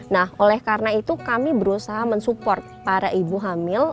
nah oleh karena itu kami berusaha mensupport para ibu hamil